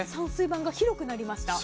盤が広くなりました。